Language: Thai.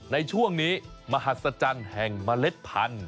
ในช่วงนี้มหัศจรรย์แห่งเมล็ดพันธุ